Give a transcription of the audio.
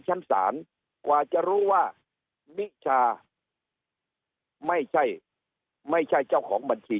ชั้นศาลกว่าจะรู้ว่านิชาไม่ใช่ไม่ใช่เจ้าของบัญชี